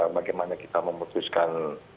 bagaimana kita memutuskan